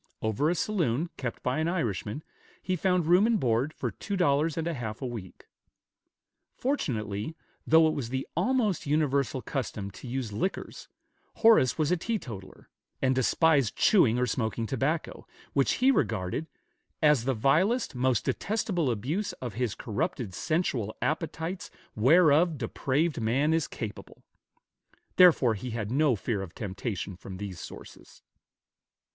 Over a saloon, kept by an Irishman, he found room and board for two dollars and a half a week. Fortunately, though it was the almost universal custom to use liquors, Horace was a teetotaler, and despised chewing or smoking tobacco, which he regarded "as the vilest, most detestable abuse of his corrupted sensual appetites whereof depraved man is capable;" therefore he had no fear of temptation from these sources.